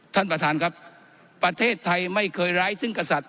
ท่านประธานครับประเทศไทยไม่เคยร้ายซึ่งกษัตริย